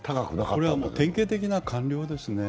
これは典型的な官僚ですね。